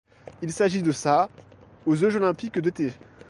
Il s'agit de sa aux Jeux olympiques d'été.